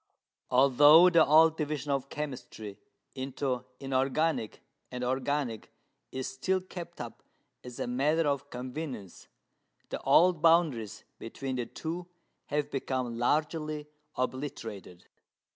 Although the old division of chemistry into inorganic and organic is still kept up as a matter of convenience, the old boundaries between the two have become largely obliterated.